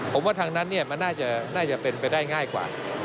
ผมว่าทางนั้นมันน่าจะเป็นไปได้ง่ายกว่า